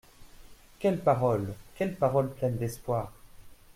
Quelle parole ? quelle parole pleine d’espoir ?